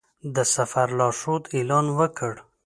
د سفر لارښود اعلان وکړ.